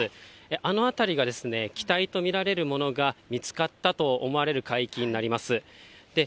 あの辺りが、機体と見られるものが見つかったと思われる海域になります。